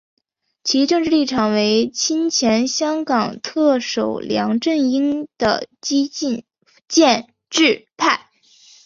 其政治立场为亲前香港特首梁振英的激进建制派。